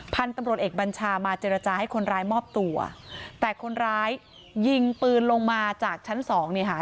พันธุ์ตำรวจเอกบัญชามาเจรจาให้คนร้ายมอบตัวแต่คนร้ายยิงปืนลงมาจากชั้นสองเนี่ยค่ะ